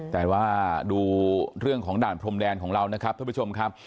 แต่ว่าดูเรื่องของด่านพรมแดนของเรานะครับท่านผู้ชมครับ